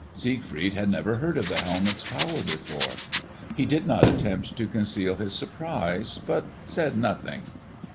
Siegfried had never heard of the helmet's power before. He did not attempt to conceal his surprise, but said nothing.